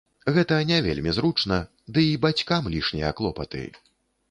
Гэта не вельмі зручна, ды і бацькам лішнія клопаты.